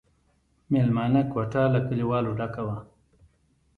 مېلمانه کوټه له کليوالو ډکه وه.